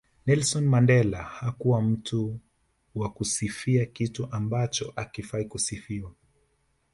Nelsoni Mandela hakuwa mtu wa kusifia kitu ambacho hakifai kusifiwa